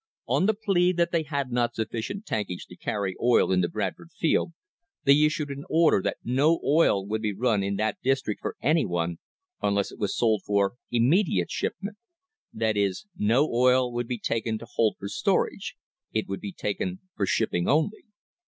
On the plea that they had not sufficient tankage to carry oil in the Bradford field, they issued an order that no oil would be run in that district for any one unless it was sold for "immediate shipment" — that is, no oil would be taken to hold for storage ; it would be taken for shipping only.